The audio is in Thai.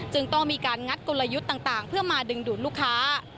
ต้องมีการงัดกลยุทธ์ต่างเพื่อมาดึงดูดลูกค้า